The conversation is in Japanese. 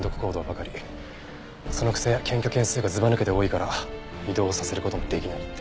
そのくせ検挙件数がずばぬけて多いから異動させる事もできないって。